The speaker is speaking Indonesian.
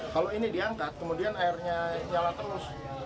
kalau ini diangkat kemudian airnya nyala terus